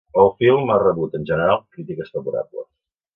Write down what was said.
El film ha rebut, en general, crítiques favorables.